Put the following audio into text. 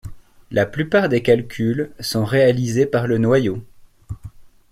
La plupart des calculs sont réalisés par le noyau.